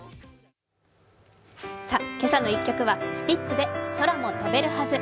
「けさの１曲」はスピッツで「空も飛べるはず」。